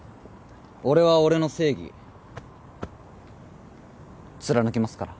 俺は俺の正義貫きますから。